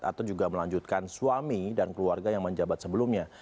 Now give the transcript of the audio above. atau juga melanjutkan suami dan keluarga yang menjabat sebelumnya